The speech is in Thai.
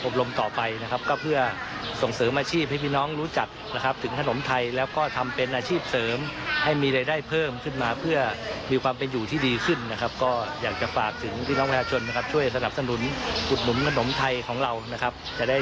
ประเทศไทยต่อไปครับขอบคุณครับ